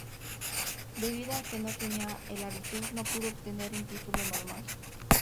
Debido a que no tenía el "abitur", no pudo obtener un título normal.